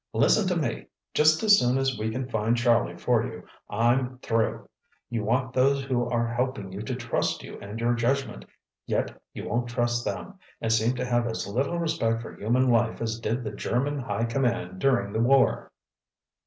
Listen to me—just as soon as we can find Charlie for you, I'm through! You want those who are helping you to trust you and your judgment, yet you won't trust them, and seem to have as little respect for human life as did the German High Command during the war!"